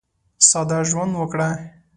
ساده ژوند وکړه.